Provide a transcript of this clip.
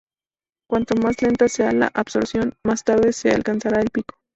Cuanto más lenta sea la absorción, más tarde se alcanzará el pico.